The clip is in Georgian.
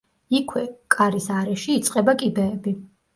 იქვე, კარის არეში, იწყება კიბეები.